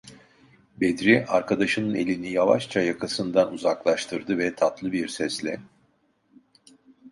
Bedri arkadaşının elini yavaşça yakasından uzaklaştırdı ve tatlı bir sesle: